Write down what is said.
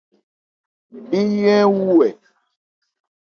Bí yí ń wu ɛ ?